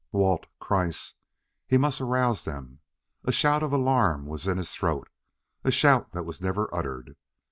Walt! Kreiss he must arouse them! A shout of alarm was in his throat a shout that was never uttered.